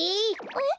えっ？